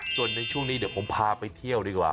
ส่วนในช่วงนี้เดี๋ยวผมพาไปเที่ยวดีกว่า